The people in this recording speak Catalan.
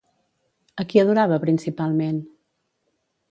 A qui adorava principalment?